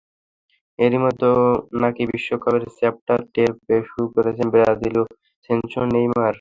এরই মধ্যে নাকি বিশ্বকাপের চাপটা টের পেতে শুরু করেছেন ব্রাজিলীয় সেনসেশন নেইমার।